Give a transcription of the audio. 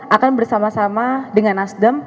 akan bersama sama dengan nasdem